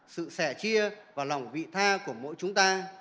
sự sẻ chia và lòng vị tha của mỗi chúng ta